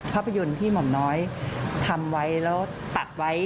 ภาพยนตร์ที่หม่อมน้อยทำไว้แล้วตัดไว้